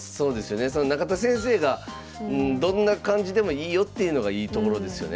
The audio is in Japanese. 中田先生がどんな感じでもいいよっていうのがいいところですよね。